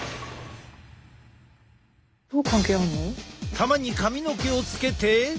球に髪の毛をつけて。